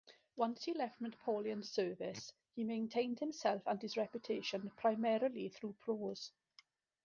Once he left Napoleon's service, he maintained himself and his reputation primarily through prose.